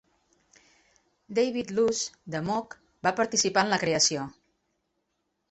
David Luce, de Moog, va participar en la creació.